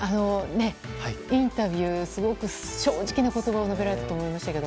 インタビューもすごく正直な言葉を述べられていたと思いました。